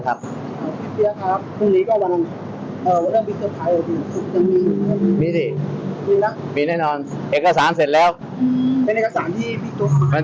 เรื่องวิกโจ๊กอันทย์ละเอียด